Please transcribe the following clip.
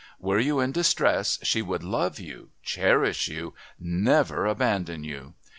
Were you in distress, she would love you, cherish you, never abandon you.